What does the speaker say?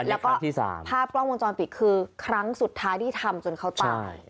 แล้วก็ภาพกล้องวงจรปิดคือครั้งสุดท้ายที่ทำจนเขาตาย